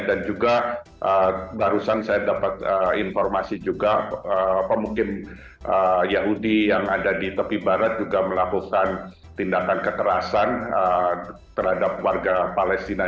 dan juga barusan saya dapat informasi juga pemukim yahudi yang ada di tepi barat juga melakukan tindakan kekerasan terhadap warga palestina